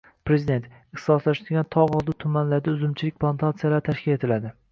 Prezident: ixtisoslashgan tog‘ oldi tumanlarida uzumchilik plantatsiyalari tashkil etiladi